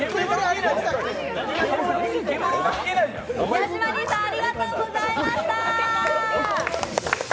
ヤジマリーさんありがとうございました！